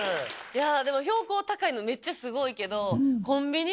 標高高いのめっちゃすごいけど。